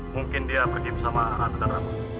mungkin dia pergi bersama ratu dan rahmat